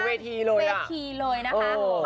เวทีเลยนะค่ะ